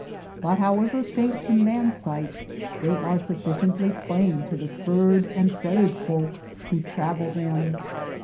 But how ever faint to man sight, they are sufHciently plain to the furred and feathered folk who travel them.